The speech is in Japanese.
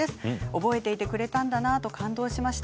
覚えていてくれたんだなあと感動しました。